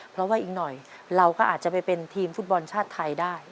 เพราะว่าอีกหน่อยเราก็อาจจะไปเป็นทีมฟุตบอลชาติไทยได้